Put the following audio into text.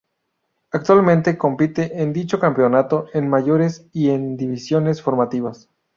Actualmente compite en dicho campeonato en mayores y en divisiones formativas.